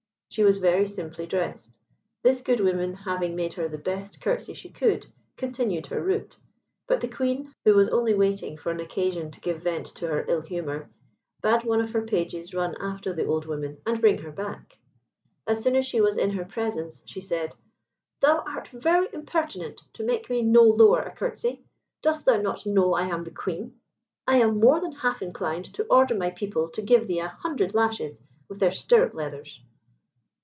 She was very simply dressed. This good woman having made her the best curtsey she could, continued her route; but the Queen, who was only waiting for an occasion to give vent to her ill humour, bade one of her pages run after the old woman, and bring her back. As soon as she was in her presence she said, "Thou art very impertinent to make me no lower a curtsey! Dost thou not know I am the Queen? I am more than half inclined to order my people to give thee an hundred lashes with their stirrup leathers."